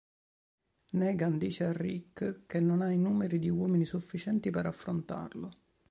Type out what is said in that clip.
Negan dice a Rick che non ha numeri di uomini sufficienti per affrontarlo.